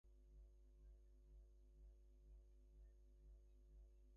One Sri Lankan geologist has warned: "Samanalawewa is a write off".